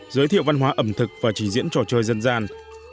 giới thiệu văn hóa ẩm thực và trình diễn trò chơi dân gian